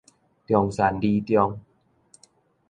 中山女中